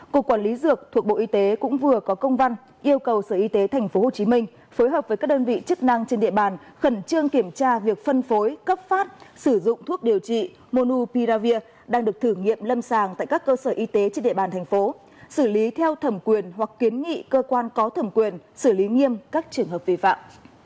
cục quản lý dược thuộc bộ y tế cũng vừa có công văn yêu cầu sở y tế tp hcm phối hợp với các đơn vị chức năng trên địa bàn khẩn trương kiểm tra việc phân phối cấp phát sử dụng thuốc điều trị monupiravir đang được thử nghiệm lâm sàng tại các cơ sở y tế trên địa bàn tp hcm xử lý theo thẩm quyền hoặc kiến nghị cơ quan có thẩm quyền xử lý nghiêm các trường hợp vi phạm